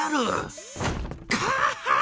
カハッ！